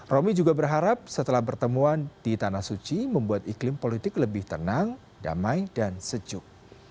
romi juga berharap setelah pertemuan di tanah suci membuat iklim politik lebih tenang damai dan sejuk